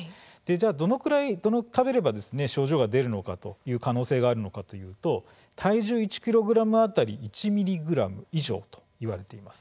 どれくらいなら症状が出る可能性があるかというと体重１ｋｇ当たり１ｍｇ以上といわれています。